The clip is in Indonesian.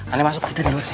ayo masuk kita di luar aja